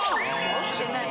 落ちてない。